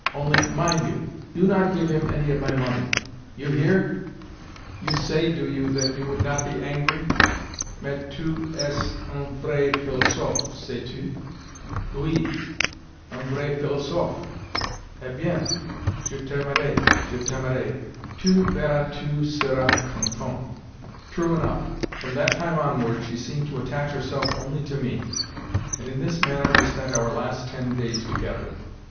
Only, mind you, do not give him any of my money. You hear?" "You say, do you, that you would not be angry? Mais tu es un vrai philosophe, sais tu? Oui, un vrai philosophe! Eh bien, je t'aimerai, je t'aimerai. Tu verras tu seras content." True enough, from that time onward she seemed to attach herself only to me, and in this manner we spent our last ten days together.